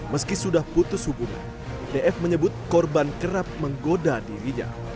meski sudah putus hubungan df menyebut korban kerap menggoda dirinya